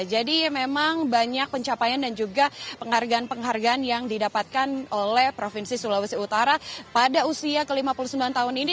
jadi memang banyak pencapaian dan juga penghargaan penghargaan yang didapatkan oleh provinsi sulawesi utara pada usia ke lima puluh sembilan tahun ini